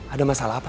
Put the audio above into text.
ada masalah apa